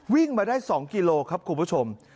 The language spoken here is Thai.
วิ่งมาได้๒กิโลครับคุณผู้ชม